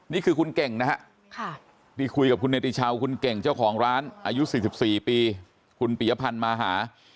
นี่คือคุณเก่งนะครับคุณพุทธโรศาสตร์๖๔คุณเปียพันธ์มาหา